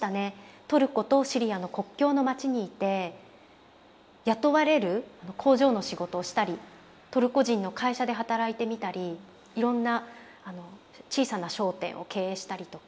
トルコとシリアの国境の町にいて雇われる工場の仕事をしたりトルコ人の会社で働いてみたりいろんな小さな商店を経営したりとか。